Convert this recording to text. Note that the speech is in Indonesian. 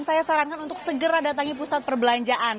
saya sarankan untuk segera datangi pusat perbelanjaan